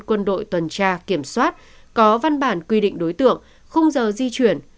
quân đội tuần tra kiểm soát có văn bản quy định đối tượng khung giờ di chuyển